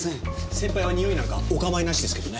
先輩はにおいなんかお構いなしですけどね。